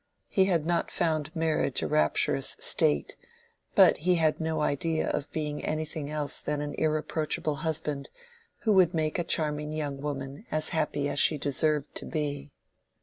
He had not found marriage a rapturous state, but he had no idea of being anything else than an irreproachable husband, who would make a charming young woman as happy as she deserved to be.